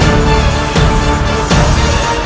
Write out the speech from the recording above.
hanya keturunan prapunis kalawastu